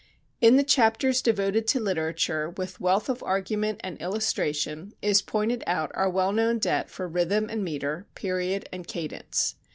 In the chapters devoted to literature with wealth of argument and illustration is pointed out our well known debt for rhythm and meter, period and cadence.